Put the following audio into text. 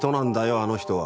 あの人は。